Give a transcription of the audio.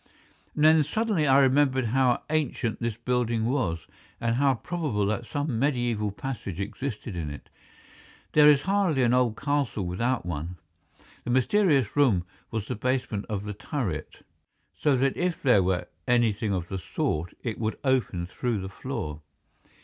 And then suddenly I remembered how ancient this building was, and how probable that some mediaeval passage existed in it. There is hardly an old castle without one. The mysterious room was the basement of the turret, so that if there were anything of the sort it would open through the floor.